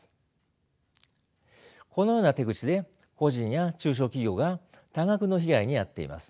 このような手口で個人や中小企業が多額の被害に遭っています。